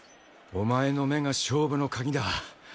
お前の目が勝負の鍵だ。